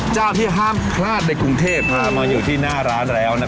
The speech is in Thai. เจ้านี่ได้บอกว่าเป็นเจ้าที่ดังมาก